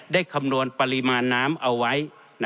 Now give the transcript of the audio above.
คำนวณปริมาณน้ำเอาไว้